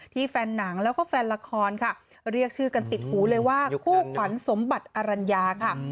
แฟนหนังแล้วก็แฟนละครค่ะเรียกชื่อกันติดหูเลยว่าคู่ขวัญสมบัติอรัญญาค่ะ